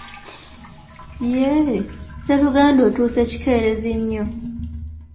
Yee, sseruganda otuuse kikerezi nnyo.